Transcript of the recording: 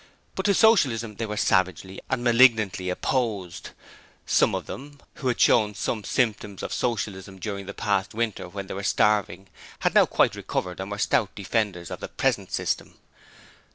But to Socialism they were savagely and malignantly opposed. Some of those who had shown some symptoms of Socialism during the past winter when they were starving had now quite recovered and were stout defenders of the Present System.